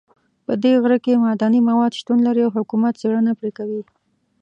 په دې غره کې معدني مواد شتون لري او حکومت څېړنه پرې کوي